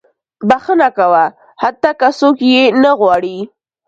• بښنه کوه، حتی که څوک یې نه غواړي.